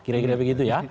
kira kira begitu ya